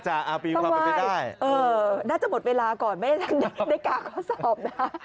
ว่ายต้องว่ายเออน่าจะหมดเวลาก่อนไม่ได้กากข้อสอบนะ